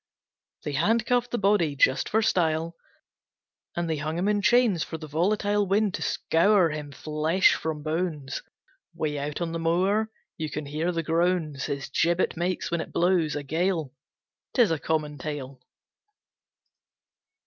_They handcuffed the body just for style, And they hung him in chains for the volatile Wind to scour him flesh from bones. Way out on the moor you can hear the groans His gibbet makes when it blows a gale. 'Tis a common tale.